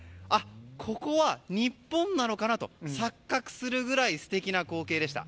ここは日本なのかなと錯覚するくらい素敵な光景でした。